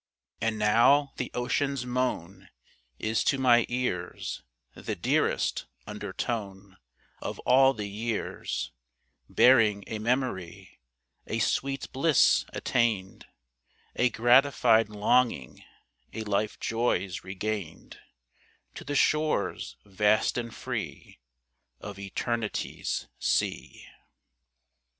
And now the ocean's moan Is to my ears The dearest undertone Of all the years, Bearing a memory, A sweet bliss attained, A gratified longing, A life's joys regained, To the shores vast and free Of eternity's sea.